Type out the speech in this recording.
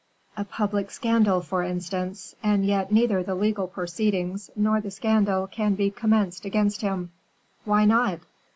"A public scandal, for instance; and yet neither the legal proceedings nor the scandal can be commenced against him." "Why not?"